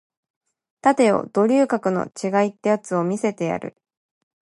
立てよド三流格の違いってやつを見せてやる